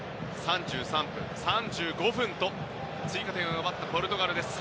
３３分、３５分と追加点を奪ったポルトガルです。